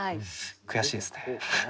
悔しいですね。